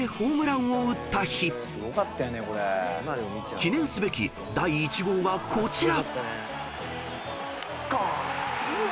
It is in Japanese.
［記念すべき第１号がこちら！］